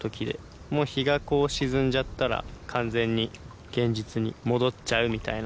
もう日がこう沈んじゃったら完全に現実に戻っちゃうみたいな。